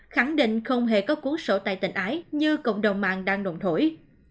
khẳng định không hề có cuốn sổ tài tình ái như cộng đồng mạng đang đồn thối